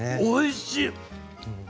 おいしい！